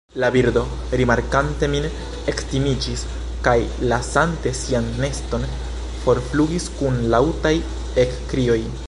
La birdo, rimarkante min, ektimiĝis, kaj lasante sian neston forflugis kun laŭtaj ekkrioj.